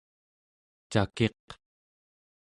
cakiq